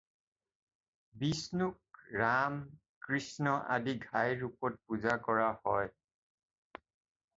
বিষ্ণুক ৰাম, কৃষ্ণ আদি ঘাই ৰূপত পূজা কৰা হয়।